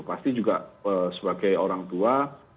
pasti juga sebagai orang tua